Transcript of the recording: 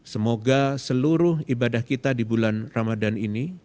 semoga seluruh ibadah kita di bulan ramadan ini